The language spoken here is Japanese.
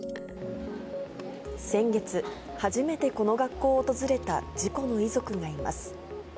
先月、初めてこの学校を訪れた事故の遺族がいます。